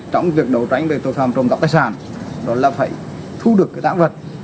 trong việc đấu tranh về tội phạm trộn cắt tài sản đó là phải thu được cái tãng vật